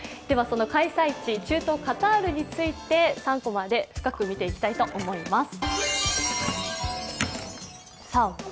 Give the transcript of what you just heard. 開催地、中東カタールについて３コマで深く見ていきたいと思います。